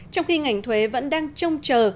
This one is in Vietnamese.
trong khi ngành thuế vẫn đang trông chờ